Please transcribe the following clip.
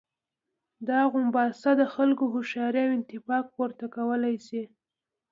دا غومبسه د خلکو هوښياري او اتفاق، پورته کولای شي.